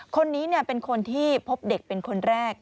คนนี้เป็นคนที่พบเด็กเป็นคนแรก